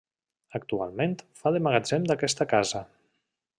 Actualment fa de magatzem d'aquesta casa.